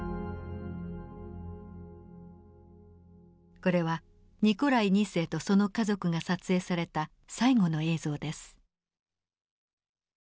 これはニコライ２世とその家族が撮影された最後の映像です。